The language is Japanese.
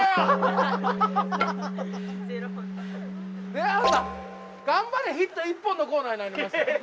出川さん頑張れヒット１本のコーナーになりましたよ。